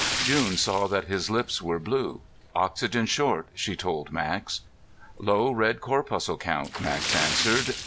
June saw that his lips were blue. "Oxygen short," she told Max. "Low red corpuscle count," Max answered.